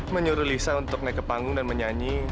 menyuruh lisa untuk naik ke panggung dan menyanyi